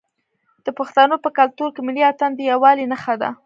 د پښتنو په کلتور کې ملي اتن د یووالي نښه ده.